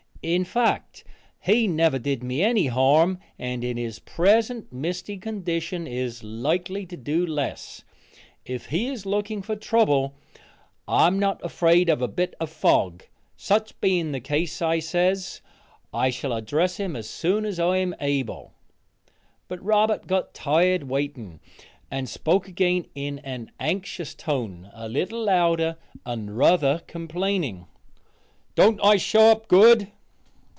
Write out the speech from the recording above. In life he never did me any harm and in his present misty condition is likely to do less; if he is looking for trouble I'm not afraid of a bit of fog. Such being the case, I says, I shall address him as soon as I am able. But Robert got tired waiting, and spoke again in an anxious tone, a little louder, and ruther complaining, "Don't I show up good?"